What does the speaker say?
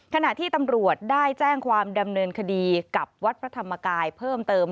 ขณะที่ตำรวจได้แจ้งความดำเนินคดีกับวัดพระธรรมกายเพิ่มเติม